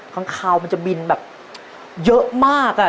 ข้างคาวมันจะบินแบบเยอะมาก